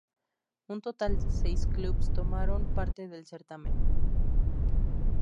Un total de seis clubes tomaron parte del certamen.